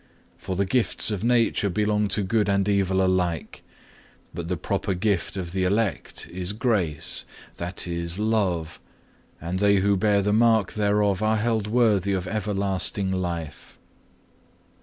For the gifts of Nature belong to good and evil alike; but the proper gift of the elect is grace—that is, love—and they who bear the mark thereof are held worthy of everlasting life.